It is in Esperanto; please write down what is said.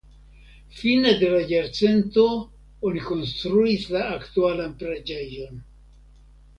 Fine de la jarcento oni konstruis la aktualan preĝejon.